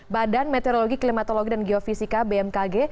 badan meteorologi klimatologi dan geofisika bmkg